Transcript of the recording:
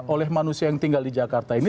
oleh manusia yang tinggal di jakarta ini